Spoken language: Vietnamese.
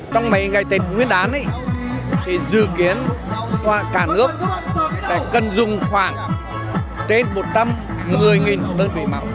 trong mấy ngày tết nguyên đán thì dự kiến cả nước sẽ cần dùng khoảng trên một trăm một mươi đơn vị máu